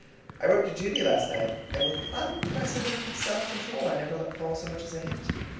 I wrote to Judy last night, and with unprecedented self control I never let fall so much as a hint.